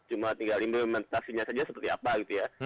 cuma tinggal implementasinya saja seperti apa gitu ya